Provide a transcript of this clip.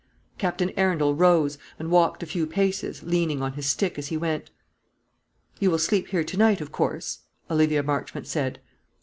Captain Arundel rose, and walked a few paces, leaning on his stick as he went. "You will sleep here to night, of course?" Olivia Marchmont said.